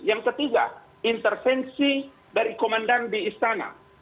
yang ketiga intervensi dari komandan di istana